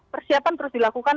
persiapan terus dilakukan